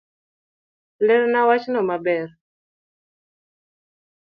Lerna wachno maber